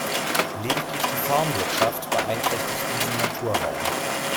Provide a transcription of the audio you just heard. Lediglich die Farmwirtschaft beeinträchtigt diesen Naturraum.